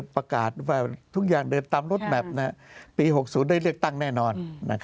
ประกาศว่าทุกอย่างเดินตามรถแมพปี๖๐ได้เลือกตั้งแน่นอน